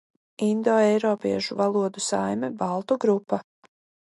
Indoeiropiešu valodu saime baltu grupa.